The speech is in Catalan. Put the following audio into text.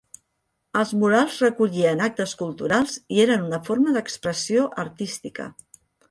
Els murals recollien actes culturals i eren una forma d'expressió artística.